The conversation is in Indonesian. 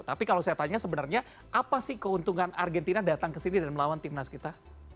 tapi kalau saya tanya sebenarnya apa sih keuntungan argentina datang kesini dan melawan tim nas kita